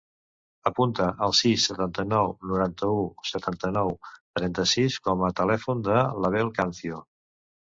Apunta el sis, setanta-nou, noranta-u, setanta-nou, trenta-sis com a telèfon de l'Abel Cancio.